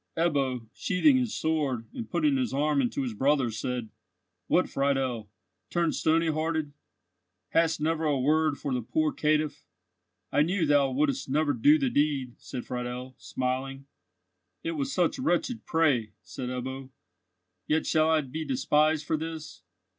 Ebbo, sheathing his sword, and putting his arm into his brother's, said: "What, Friedel, turned stony hearted? Hadst never a word for the poor caitiff?" "I knew thou wouldst never do the deed," said Friedel, smiling. "It was such wretched prey," said Ebbo. "Yet shall I be despised for this!